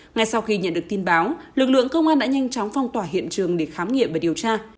ngay sau khi nhận được tin báo lực lượng công an đã nhanh chóng phong tỏa hiện trường để khám nghiệm và điều tra